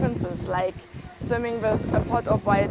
seperti menelan dengan dolphin yang luar biasa